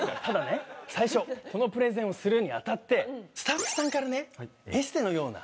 ただね最初このプレゼンをするにあたってスタッフさんからね。